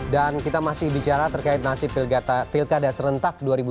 dan kita masih bicara terkait nasib pilkada serentak dua ribu dua puluh